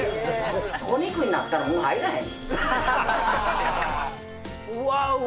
お肉になったらもう入らへん。